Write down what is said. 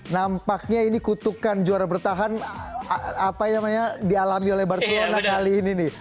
nampaknya ini kutukan juara bertahan apa yang dialami oleh barcelona kali ini nih